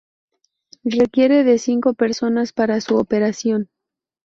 Requiere de cinco personas para su operación.